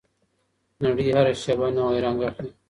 نړۍ هره شیبه نوی رنګ اخلي.